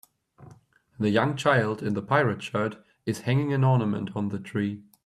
The young child in the pirate shirt is hanging an ornament on the tree.